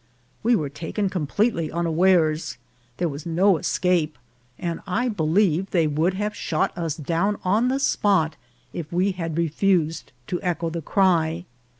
"We were taken com pletely unawares ; there was no escape, and I believe they would have shot us down on the spot if we had re fused to echo the cry.